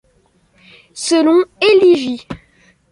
Selon Élie-J.